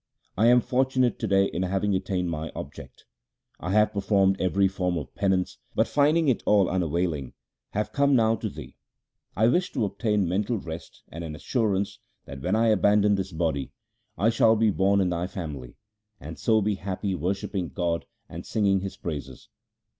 I am fortunate to day in having attained my object. I have performed every form of penance, but, finding it all unavailing, have now come to thee. I wish to obtain mental rest and an assurance that LIFE OF GURU AMAR DAS 117 when I abandon this body I shall be born in thy family, and so be happy worshipping God and singing His praises.'